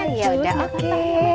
oh ya udah oke